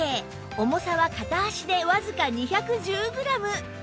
重さは片足でわずか２１０グラム